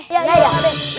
iya pak d